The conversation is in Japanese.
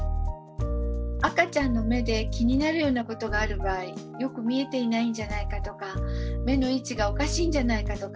赤ちゃんの目で気になるようなことがある場合よく見えていないんじゃないかとか目の位置がおかしいんじゃないかとか